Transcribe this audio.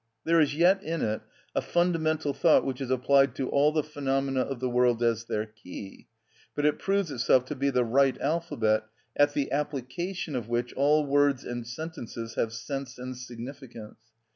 There is yet in it a fundamental thought which is applied to all the phenomena of the world as their key; but it proves itself to be the right alphabet at the application of which all words and sentences have sense and significance.